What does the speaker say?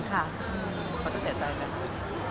เขาจะเสียใจไหม